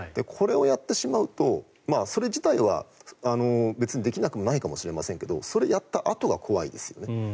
これをやってしまうとそれ自体は別にできなくもないかもしれませんがそれをやったあとが怖いですよね。